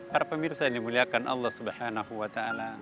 para pemirsa yang dimuliakan allah swt